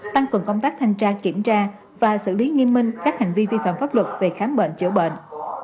tăng cường công tác thanh tra kiểm tra và xử lý nghiêm minh các hành vi vi phạm pháp luật về khám bệnh chữa bệnh